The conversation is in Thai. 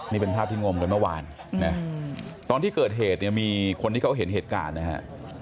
นี่เป็นภาพที่งมกันเมื่อวานนะตอนที่เกิดเหตุเนี่ยมีคนที่เขาเห็นเหตุการณ์นะฮะ